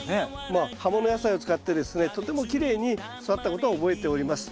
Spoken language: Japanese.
まあ葉もの野菜を使ってですねとてもきれいに育ったことは覚えております。